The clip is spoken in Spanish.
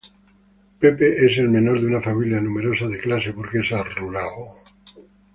Pepe es el menor de una familia numerosa de clase burguesa rural.